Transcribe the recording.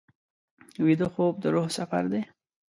ویده خوب د روح سفر دی